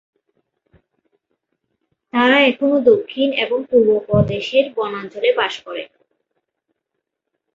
তারা এখনও দক্ষিণ এবং পূর্ব প্রদেশের বনাঞ্চলে বাস করে।